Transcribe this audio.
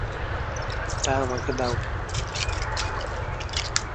ওটা আমাকে দাও।